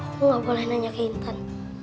aku gak boleh nanya ke intan